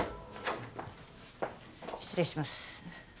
失礼します。